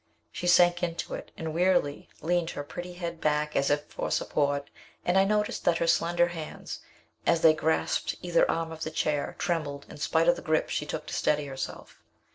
She sank into it, and wearily leaned her pretty head back, as if for support, and I noticed that her slender hands, as they grasped either arm of the chair, trembled, in spite of the grip she took to steady herself.